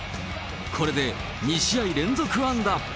これで２試合連続安打。